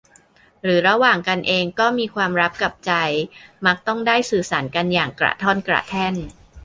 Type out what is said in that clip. หรือระหว่างกันเองก็มีความลับกับใจ มักต้องได้สื่อสารกันอย่างกระท่อนกระแท่น